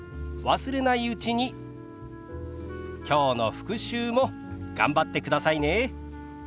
忘れないうちにきょうの復習も頑張ってくださいね。